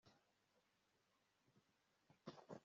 Iyo nza kuba muto njya mumahanga kwiga